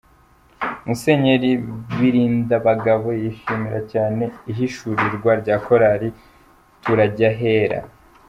Musenyeri Birindabagabo yishimiye cyane ihishurirwa rya Korali Turajyahera.